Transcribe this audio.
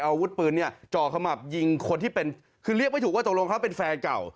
อาวุธปืนเนี่ยจ่อขมับยิงคนที่เป็นคือเรียกไม่ถูกว่าตกลงเขาเป็นแฟนเก่า